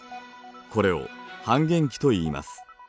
これを半減期といいます。